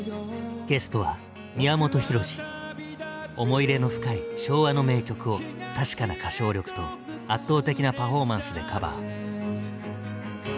思い入れの深い「昭和の名曲」を確かな歌唱力と圧倒的なパフォーマンスでカバー。